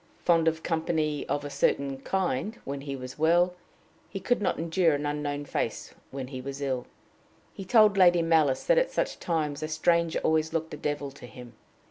Fond of company of a certain kind when he was well, he could not endure an unknown face when he was ill. He told Lady Malice that at such times a stranger always looked a devil to him.